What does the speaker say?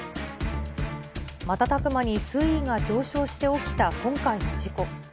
瞬く間に水位が上昇して起きた今回の事故。